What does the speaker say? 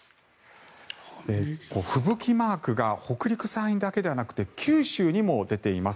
吹雪マークが北陸、山陰だけではなくて九州にも出ています。